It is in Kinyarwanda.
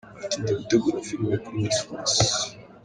Ati “Ndi gutegura filime kuri Miss France.